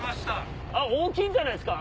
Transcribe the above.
大きいんじゃないですか？